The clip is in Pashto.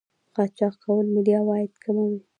قاچاق کول ملي عواید کموي.